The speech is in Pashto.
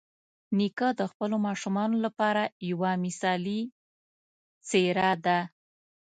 نیکه د خپلو ماشومانو لپاره یوه مثالي څېره ده.